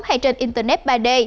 hay trên internet ba d